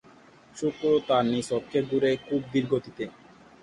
শুক্র তার নিজ অক্ষে ঘোরে খুব ধীরগতিতে।